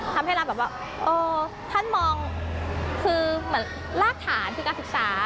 ทำให้เราแบบว่าท่านมองคือเหมือนรากฐานคือการศึกษา